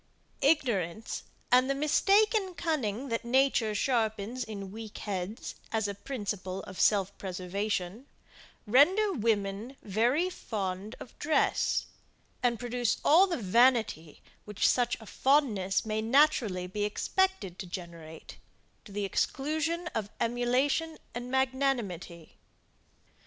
Ignorance and the mistaken cunning that nature sharpens in weak heads, as a principle of self preservation, render women very fond of dress, and produce all the vanity which such a fondness may naturally be expected to generate, to the exclusion of emulation and magnanimity.